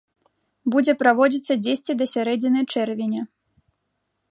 Будзе праводзіцца дзесьці да сярэдзіны чэрвеня.